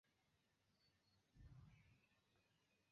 La instituto troviĝis eksterurbe.